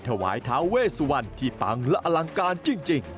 ถวายทาเวสวันที่ปังและอลังการจริง